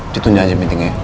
ditunjuk aja meetingnya ya